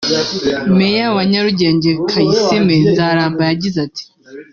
Meya wa Nyarugenge Kayisime Nzaramba yagize ati